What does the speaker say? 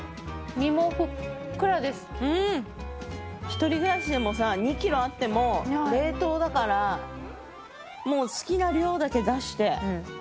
一人暮らしでもさ２キロあっても冷凍だからもう好きな量だけ出して焼いて。